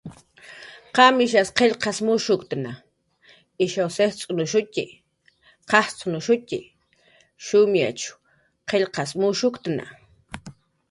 "Qamish qillqas mushkutna, ishaw jicx'k""anushutxi, qajcxnushutxi, shumayw qillqas uyunushu"